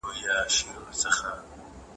پوښتنه د علم کیلي ده.